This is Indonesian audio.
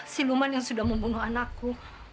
si luman yang sudah membunuh anakku